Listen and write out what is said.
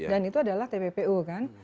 dan itu adalah tppu kan